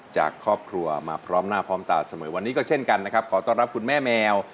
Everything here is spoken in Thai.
จากครอบครัวมาพร้อมหน้าพร้อมตาเสมอวันนี้ก็เช่นกันนะครับขอต้อนรับคุณแม่แมว